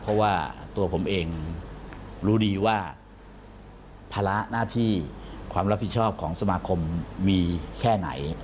เพราะว่าตัวผมเองรู้ดีว่าภาระหน้าที่ความรับผิดชอบของสมาคมมีแค่ไหน